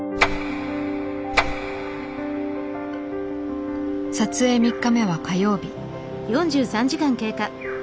撮影３日目は火曜日。